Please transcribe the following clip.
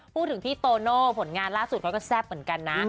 พี่โตโน่ผลงานล่าสุดเขาก็แซ่บเหมือนกันนะ